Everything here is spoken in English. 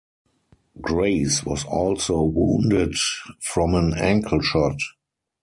Grace was also wounded from an ankle shot.